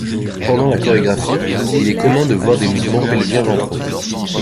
Pendant la chorégraphie il est commun de voir des mouvements pelvien-ventraux.